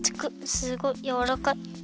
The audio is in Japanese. すごいやわらかい。